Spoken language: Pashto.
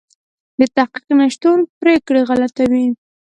د تحقیق نشتون پرېکړې غلطوي.